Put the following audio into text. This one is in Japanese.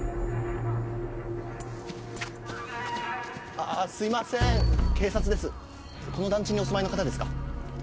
あすいません警察ですこの団地にお住まいの方ですか？